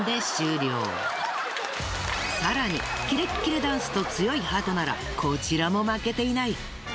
更にキレッキレダンスと強いハートならこちらも負けていない。